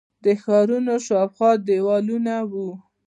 د ښارونو شاوخوا دیوالونه وو